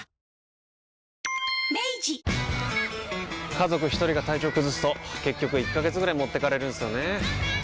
家族一人が体調崩すと結局１ヶ月ぐらい持ってかれるんすよねー。